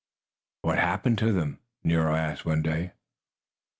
"What happened to them?" Nero asked one day.